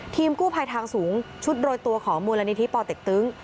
ทีมกู้ภัยทางสูงชุดโรยตัวของมูลนิธิปอเต็กตึง